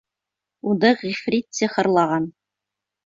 Уны ғифрит сихырлаған.